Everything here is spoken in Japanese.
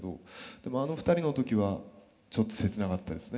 でもあの２人の時はちょっと切なかったですね。